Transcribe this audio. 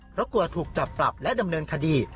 เพราะกลัวถูกจับปรับและดำเนินคดี